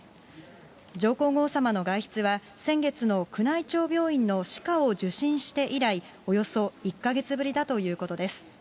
上皇后さまの外出は、先月の宮内庁病院の歯科を受診して以来、およそ１か月ぶりだということです。